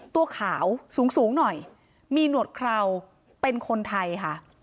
ตัวขาวสูงสูงหน่อยมีหนวดเคราเป็นคนไทยค่ะ